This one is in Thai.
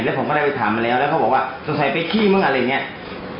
แล้วผมก็เลยไปถามมาแล้วแล้วเขาบอกว่าสงสัยไปขี้มั่งอะไรอย่างนี้